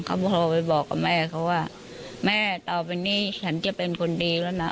เขาโทรไปบอกกับแม่เขาว่าแม่ต่อไปนี้ฉันจะเป็นคนดีแล้วนะ